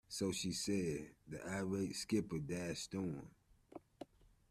So she said, the irate skipper dashed on.